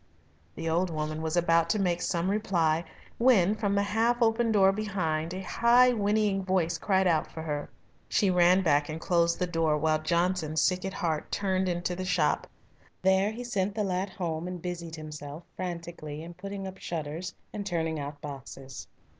The old woman was about to make some reply, when, from the half opened door behind a high whinnying voice cried out for her. She ran back and closed the door, while Johnson, sick at heart, turned into the shop. There he sent the lad home and busied himself frantically in putting up shutters and turning out boxes.